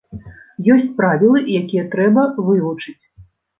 Ёсць правілы, якія трэба вывучыць.